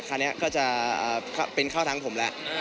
คราวนี้ก็จะเป็นเข้าทั้งผมแล้ว